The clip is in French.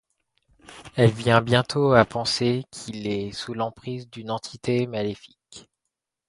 Elle vient bientôt à penser qu’il est sous l’emprise d’une entité maléfique.